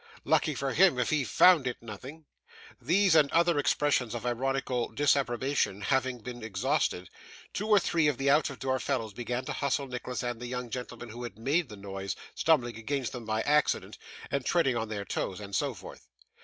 Lucky for him if he found it nothing.' These and many other expressions of ironical disapprobation having been exhausted, two or three of the out of door fellows began to hustle Nicholas and the young gentleman who had made the noise: stumbling against them by accident, and treading on their toes, and so forth.